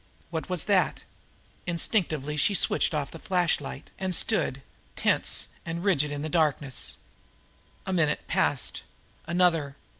What was that? Instinctively she switched off the flashlight, and stood tense and rigid in the darkness. A minute passed another.